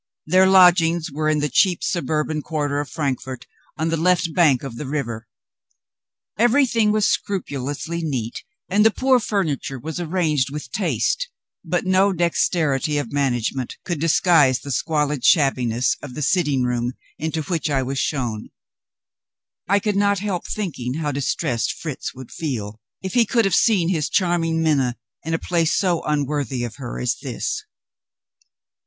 Their lodgings were in the cheap suburban quarter of Frankfort on the left bank of the river. Everything was scrupulously neat, and the poor furniture was arranged with taste but no dexterity of management could disguise the squalid shabbiness of the sitting room into which I was shown. I could not help thinking how distressed Fritz would feel, if he could have seen his charming Minna in a place so unworthy of her as this.